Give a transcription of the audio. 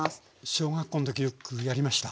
小学校の時よくやりました。